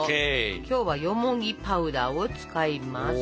今日はよもぎパウダーを使います。